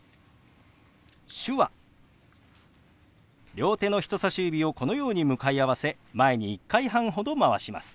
両手の人さし指をこのように向かい合わせ前に１回半ほど回します。